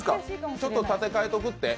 ちょっと建て替えとくって。